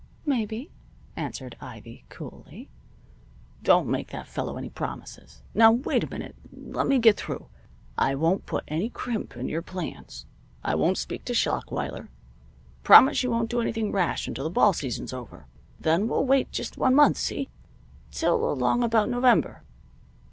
"Maybe," answered Ivy, coolly. "Don't make that fellow any promises. Now wait a minute! Let me get through. I won't put any crimp in your plans. I won't speak to Schlachweiler. Promise you won't do anything rash until the ball season's over. Then we'll wait just one month, see? Till along about November.